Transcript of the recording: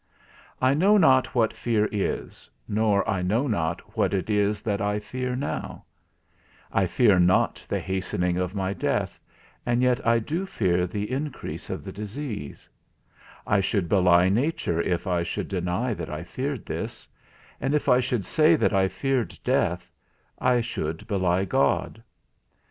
I know not what fear is, nor I know not what it is that I fear now; I fear not the hastening of my death, and yet I do fear the increase of the disease; I should belie nature if I should deny that I feared this; and if I should say that I feared death, I should belie God.